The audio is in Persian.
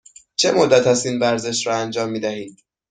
چه مدت است این ورزش را انجام می دهید؟